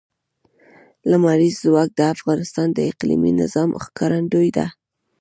لمریز ځواک د افغانستان د اقلیمي نظام ښکارندوی ده.